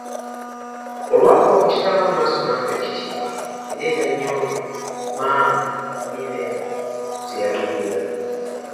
Olw'akuba ku kitaawe amaaso n'afa ekitiibwa era ebya nnyooge, maamu ,mirembe, teyabirinda.